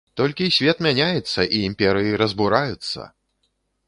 Толькі свет мяняецца і імперыі разбураюцца!